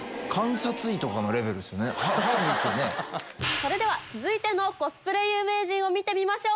それでは続いてのコスプレ有名人見てみましょう。